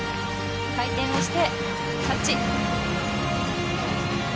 回転をしてキャッチ。